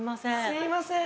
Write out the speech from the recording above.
すいません。